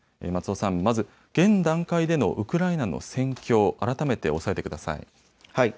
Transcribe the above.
松尾さん、現段階でのウクライナの戦況を改めてお伝えください。